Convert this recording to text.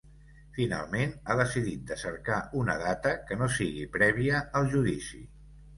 Finalment ha decidit de cercar una data que no sigui prèvia al judici.